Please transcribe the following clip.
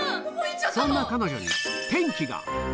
そんな彼女に転機が！